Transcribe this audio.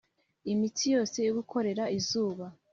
imitsi yose yo gukorera izuba,